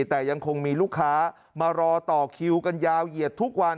แต่ยังคงมีลูกค้ามารอต่อคิวกันยาวเหยียดทุกวัน